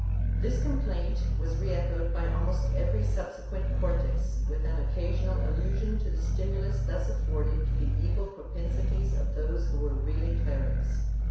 This complaint was re echoed by almost every subse quent Cortes, with an occasional allusion to the stimulus thus afforded to the evil propensities of those who were really clerics.